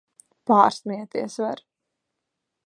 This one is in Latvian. Pārsmieties var!